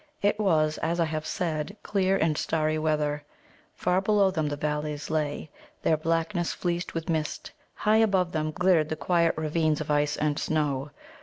It was, as I have said, clear and starry weather. Far below them the valleys lay, their blackness fleeced with mist; high above them glittered the quiet ravines of ice and snow.